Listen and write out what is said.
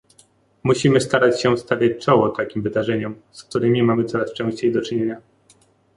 Musimy starać się stawiać czoło takim wydarzeniom, z którymi mamy coraz częściej do czynienia